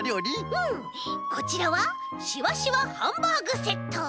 うんこちらはしわしわハンバーグセット。